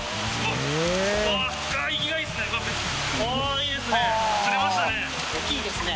△いいですね